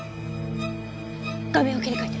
画面を切り替えて。